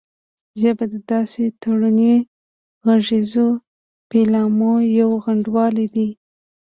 ژبه د داسې تړوني غږیزو پيلامو یو غونډال دی